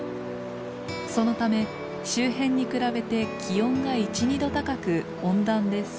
そのため周辺に比べて気温が１２度高く温暖です。